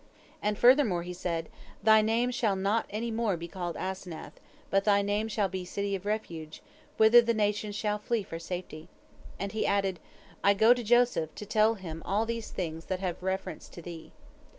And furthermore he said, 'Thy name shall not any more be called Asenath, but thy name shall be City of Refuge, whither the nations shall flee for safety.' And he added, 'I go to Joseph, to tell him all these things that have reference to thee.'